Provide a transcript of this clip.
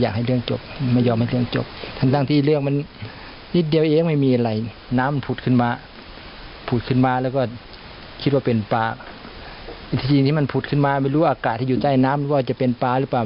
อากาศที่อยู่ในน้ำก็ไม่รู้ว่าจะเป็นปลาหรือเปล่า